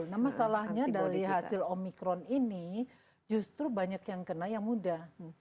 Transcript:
nah masalahnya dari hasil omikron ini justru banyak yang kena yang muda